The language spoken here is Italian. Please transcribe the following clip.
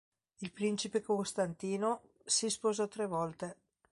Il principe Costantino si sposò tre volte.